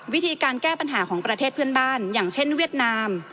วิธีการแก้ปัญหาของประเทศเพื่อนบ้านอย่างเช่นเวียดนาม